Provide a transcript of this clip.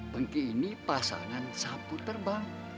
bengki ini pasangan sapu terbang